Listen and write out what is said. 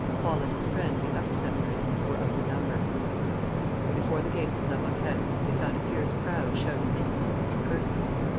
Paul and his friend the other Seminarist were of the number. Before the gates of La Roquette they found a fierce crowd shouting insults and curses.